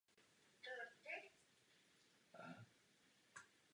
Hlavními riziky jsou vzteklina, echinokokóza a nemoci přenášené klíšťaty.